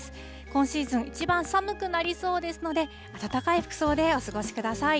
今シーズン一番寒くなりそうですので、暖かい服装でお過ごしください。